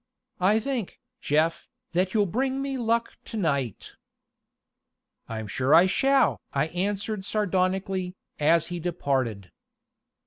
I think, Jeff, that you'll bring me luck to night." "I am sure I shall!" I answered sardonically, as he departed.